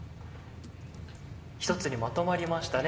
一つにまとまりましたね